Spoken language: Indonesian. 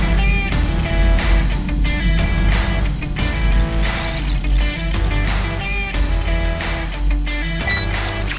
kisah kisah kisah kisah kisah kisah kisah